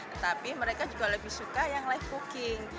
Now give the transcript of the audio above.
tetapi mereka juga lebih suka yang live cooking